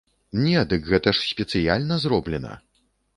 Не, дык гэта ж спецыяльна зроблена!